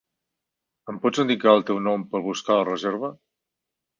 Em pots indicar el teu nom per buscar la reserva?